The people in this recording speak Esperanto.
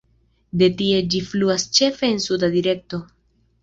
De tie ĝi fluas ĉefe en suda direkto.